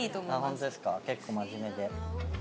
ホントですか結構真面目で。